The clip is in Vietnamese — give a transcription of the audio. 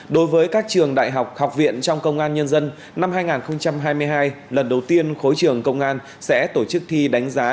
đối với các trường đại học học viện trong công an nhân dân năm hai nghìn hai mươi hai lần đầu tiên khối trường công an sẽ tổ chức thi đánh giá